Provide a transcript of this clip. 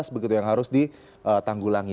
begitu yang harus ditanggulangi